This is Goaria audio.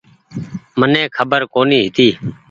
مني کبر ڪونيٚ هيتي ۔